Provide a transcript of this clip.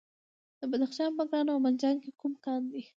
د بدخشان په کران او منجان کې کوم کان دی؟